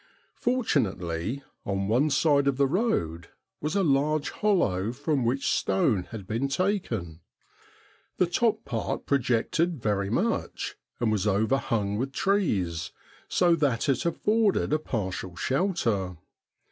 Fortunately, on one side of the road was a large hollow from which stone had been taken. The top part projected very much, and was overhung with trees, so that it afforded a partial shelter.